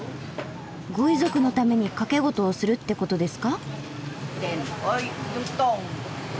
ご遺族のために賭けごとをするってことですか？